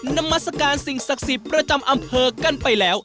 นามัศกาลสิ่งศักดิ์สิทธิ์ประจำอำเภอกันไปแล้ว